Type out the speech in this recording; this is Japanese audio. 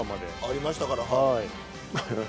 ありましたから。